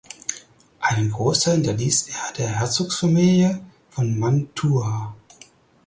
Einen Großteil hinterließ er der Herzogsfamilie von Mantua.